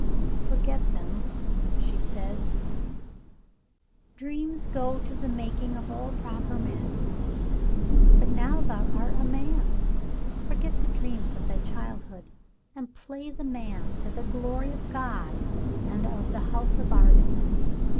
"Forget them," she says; "dreams go to the making of all proper men. But now thou art a man; forget the dreams of thy childhood, and play the man to the glory of God and of the house of Arden.